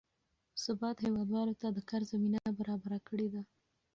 ثبات هېوادوالو ته د کار زمینه برابره کړې ده.